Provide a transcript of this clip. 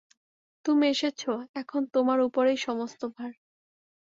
তুমি এসেছ, এখন তোমার উপরেই সমস্ত ভার।